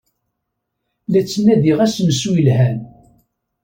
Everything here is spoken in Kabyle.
La ttnadiɣ asensu yelhan.